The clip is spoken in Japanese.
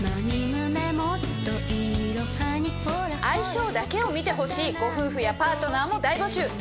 相性だけを見てほしいご夫婦やパートナーも大募集！